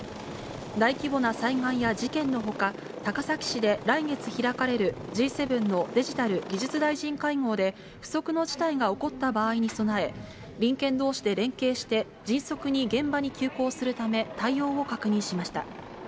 大規模な災害や事件のほか、高崎市で来月開かれる、Ｇ７のデジタル・技術大臣会合で不測の事態が起こった場合に備え、隣県どうしで連携して、迅速に現場に急行するため、対応を確認しました。